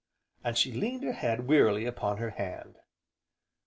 and she leaned her head wearily upon her hand.